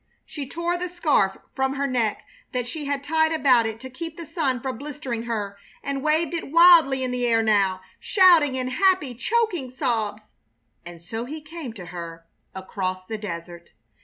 She tore the scarf from her neck that she had tied about it to keep the sun from blistering her, and waved it wildly in the air now, shouting in happy, choking sobs. And so he came to her across the desert!